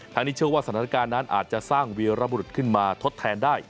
ทางนี้เชื่อว่าสถานการณ์นั้นอาจจะสร้างวีรบุรุษขึ้นมาทดแทนได้